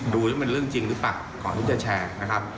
ดูแล้วมันเรื่องจริงหรือเปล่าก่อนที่จะแชร์นะครับ